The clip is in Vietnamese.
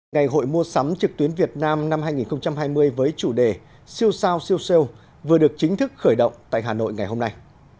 ngày hội mua sắm trực tuyến việt nam năm hai nghìn hai mươi với chủ đề siêu sao siêu sale vừa được chính thức khởi động tại hà nội ngày hôm nay